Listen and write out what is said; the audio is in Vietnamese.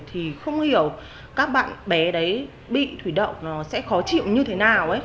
thì không hiểu các bạn bé đấy bị thủy đậu nó sẽ khó chịu như thế nào